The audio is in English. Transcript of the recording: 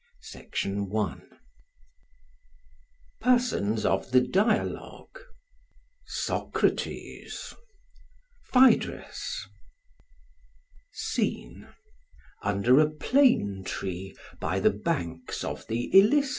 PHAEDRUS PERSONS OF THE DIALOGUE: Socrates, Phaedrus. SCENE: Under a plane tree, by the banks of the Ilissus.